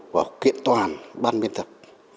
và kiện toàn ban biên tập